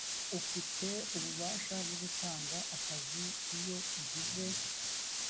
ufite ububasha bwo gutanga akazi iyo ugize